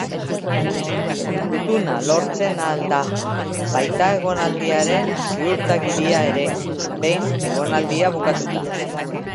Gutuna lortzen ahal da, baita egonaldiaren ziurtagiria ere, behin egonaldia bukatuta.